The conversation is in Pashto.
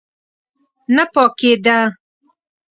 نه پاکېده.